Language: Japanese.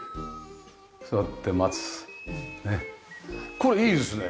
これいいですね！